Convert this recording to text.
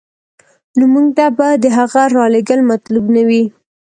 نو موږ ته به د هغه رالېږل مطلوب نه وي.